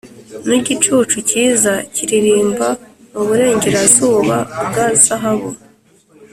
n'igicucu cyiza kiririmba muburengerazuba bwa zahabu.